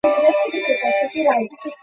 আসনের মাঝখানে সেগুলোকে বসিয়ে দাও।